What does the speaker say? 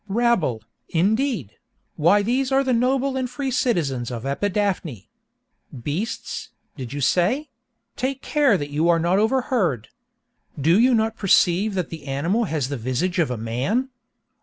Rabble, indeed!—why these are the noble and free citizens of Epidaphne! Beasts, did you say?—take care that you are not overheard. Do you not perceive that the animal has the visage of a man?